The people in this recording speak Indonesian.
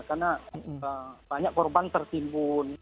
karena banyak korban tertimbun